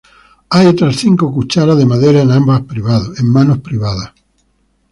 Hay otras cinco cucharas de madera en manos privadas.